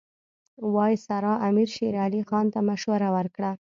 وایسرا امیر شېر علي خان ته مشوره ورکړه.